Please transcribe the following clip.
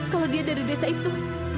kalau dia dari desa itu